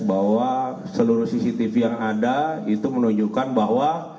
bahwa seluruh cctv yang ada itu menunjukkan bahwa